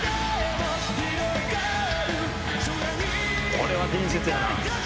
「これは伝説やな」